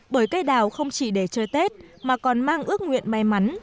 bởi cây đào không chỉ để chơi tết mà còn mang ước nguyện may mắn